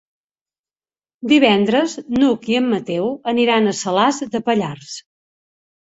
Divendres n'Hug i en Mateu aniran a Salàs de Pallars.